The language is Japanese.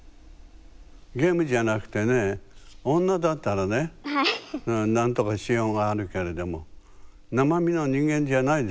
ゲームじゃなくてね女だったらねなんとかしようがあるけれども生身の人間じゃないですからね。